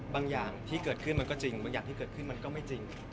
อย่างที่เกิดขึ้นมันก็จริงบางอย่างที่เกิดขึ้นมันก็ไม่จริง